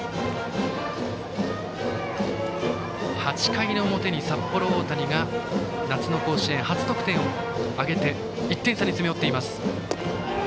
８回の表に札幌大谷が夏の甲子園初得点を挙げて１点差に詰め寄っています。